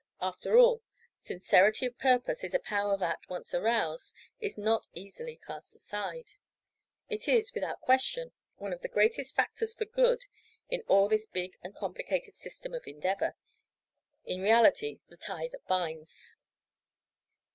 After all, sincerity of purpose is a power that, once aroused, is not easily cast aside. It is, without question, one of the greatest factors for good in all this big and complicated system of endeavor—in reality the tie that binds.